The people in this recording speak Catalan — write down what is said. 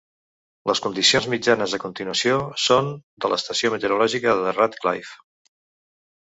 Les condicions mitjanes a continuació són de l'estació meteorològica de Radcliffe.